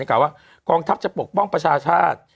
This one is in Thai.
กล่าวว่ากองทัพจะปกป้องประชาชาติ